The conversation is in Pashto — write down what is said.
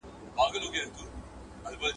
تر رمې ئې سپي ډېر دي.